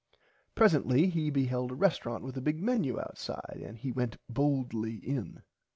Presently he beheld a resterant with a big Menu outside and he went boldly in.